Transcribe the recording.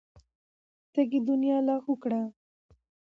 تږې دنيا لاهو کړه.